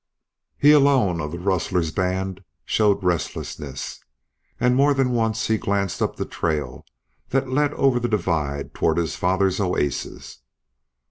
He alone of the rustler's band showed restlessness, and more than once he glanced up the trail that led over the divide toward his father's oasis.